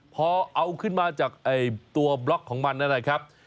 พอเอาขึ้นมาจากตัวบล็อกของมันนะครับ